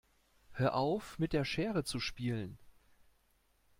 Hör auf, mit der Schere zu spielen!